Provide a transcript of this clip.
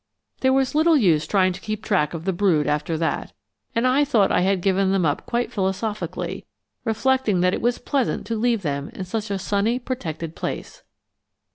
There was little use trying to keep track of the brood after that, and I thought I had given them up quite philosophically, reflecting that it was pleasant to leave them in such a sunny protected place.